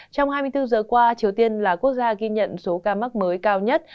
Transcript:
trong hai mươi bốn giờ qua triều tiên là quốc gia ghi nhận số ca mắc mới cao nhất